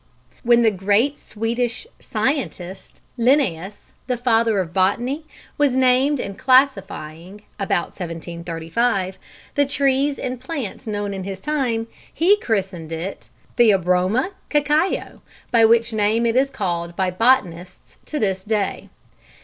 When the great Swedish scientist Linnaeus, the father of botany, was naming and classifying (about 1735) the trees and plants known in his time, he christened it Theobroma Cacao, by which name it is called by botanists to this day.